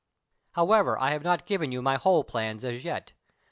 However, I have not given you my whole plans as yet.